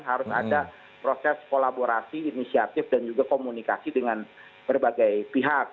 harus ada proses kolaborasi inisiatif dan juga komunikasi dengan berbagai pihak